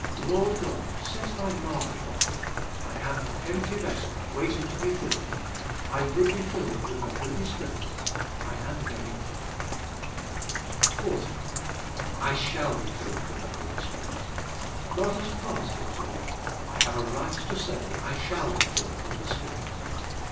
Lord God, set Thy mark upon me; I am an empty vessel waiting to be filled. I would be filled with the Holy Spirit. I a.m ready. 2^ TH^ SPIRItUAI, life;. 4. I shall be filled with the Holy Spirit. God has promised it to me, I have a right to say, I shall be filled with the Spirit.